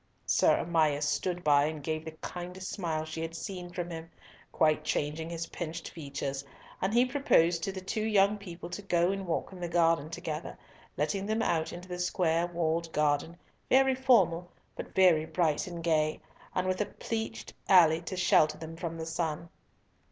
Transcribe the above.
Sir Amias stood by and gave the kindest smile she had seen from him, quite changing his pinched features, and he proposed to the two young people to go and walk in the garden together, letting them out into the square walled garden, very formal, but very bright and gay, and with a pleached alley to shelter them from the sun.